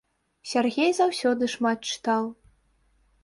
Сяргей заўсёды шмат чытаў.